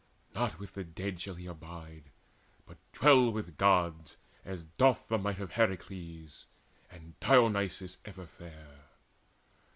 Not with the dead shall he abide, but dwell With Gods, as doth the might of Herakles, And Dionysus ever fair.